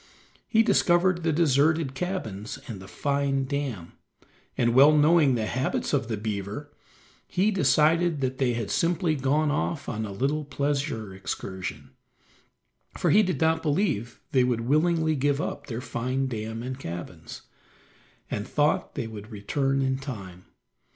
He discovered the deserted cabins and the fine dam, and well knowing the habits of the beaver, he decided that they had simply gone off on a little pleasure excursion, for he did not believe they would willingly give up their fine dam and cabins, and thought they would return in time.